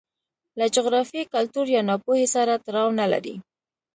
له جغرافیې، کلتور یا ناپوهۍ سره تړاو نه لري.